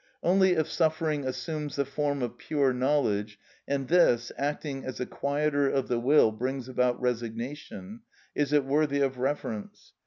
Only if suffering assumes the form of pure knowledge, and this, acting as a quieter of the will, brings about resignation, is it worthy of reverence.